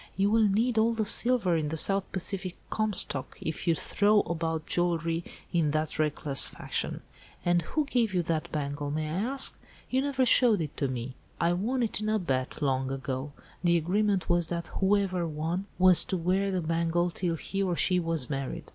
"You will need all the silver in the South Pacific Comstock, if you throw about jewellery in that reckless fashion. And who gave you that bangle, may I ask? You never showed it to me." "I won it in a bet, long ago. The agreement was that whoever won was to wear the bangle till he or she was married.